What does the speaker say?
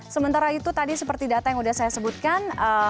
sementara itu tadi seperti data yang sudah saya sebutkan